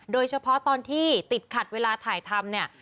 โดยเฉพาะตอนที่ติดขัดเวลาถ่ายทำเนี่ย